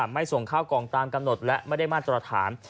ไม่ส่งข้าวกล่องตามกำหนดและไม่ได้มาตรฐาน